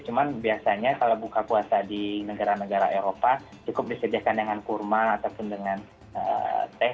cuman biasanya kalau buka puasa di negara negara eropa cukup disediakan dengan kurma ataupun dengan teh